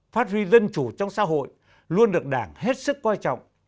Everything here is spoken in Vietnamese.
phát huy dân chủ trong xã hội luôn được đảng hết sức quan trọng